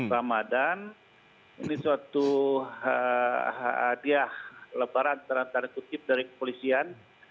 ramadan ini suatu hadiah lebaran terantara kutip dari kepolisian